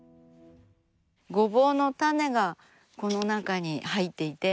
ごぼうの種がこの中に入っていて。